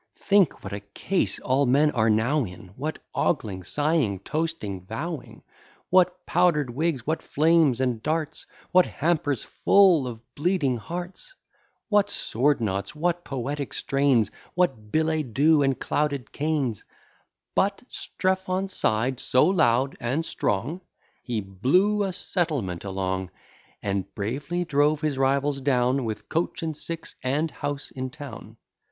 Think what a case all men are now in, What ogling, sighing, toasting, vowing! What powder'd wigs! what flames and darts! What hampers full of bleeding hearts! What sword knots! what poetic strains! What billets doux, and clouded canes! But Strephon sigh'd so loud and strong, He blew a settlement along; And bravely drove his rivals down, With coach and six, and house in town.